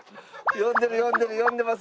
呼んでる呼んでる呼んでます。